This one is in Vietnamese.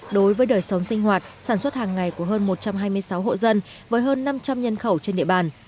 đối với đời sống sinh hoạt sản xuất hàng ngày của hơn một trăm hai mươi sáu hộ dân với hơn năm trăm linh nhân khẩu trên địa bàn